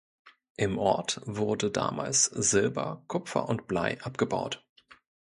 Im Ort wurde damals Silber, Kupfer und Blei abgebaut.